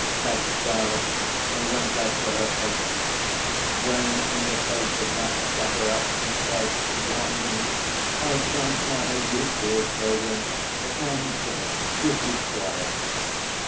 said 'Dal, and went out for her eighth, when in the face of that cataract she said yawning, 'I don't know how you feel, children, but I'm dead. You be quiet.'